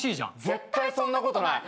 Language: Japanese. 絶対そんなことない。